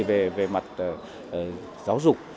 về mặt giáo dục